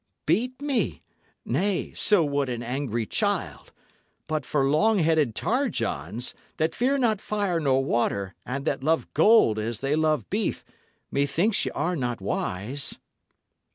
Beat me? nay; so would an angry child! But for long headed tarry Johns, that fear not fire nor water, and that love gold as they love beef, methinks ye are not wise."